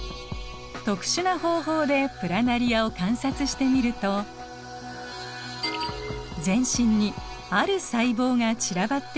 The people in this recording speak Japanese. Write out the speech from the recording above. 特殊な方法でプラナリアを観察してみると全身にある細胞が散らばっているのが分かります。